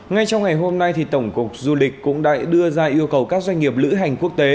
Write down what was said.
ngay trong ngày hôm nay tổng cục du lịch cũng đã đưa ra yêu cầu các doanh nghiệp lữ hành quốc tế